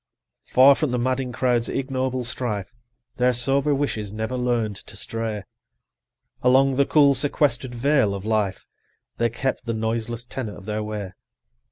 Far from the madding crowd's ignoble strife, Their sober wishes never learn'd to stray; Along the cool sequester'd vale of life 75 They kept the noiseless tenor of their way.